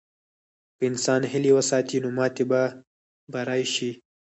که انسان هیله وساتي، نو ماتې به بری شي.